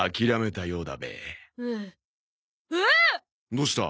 どうした？